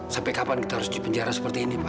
sampai kapan kita harus di penjara seperti ini pak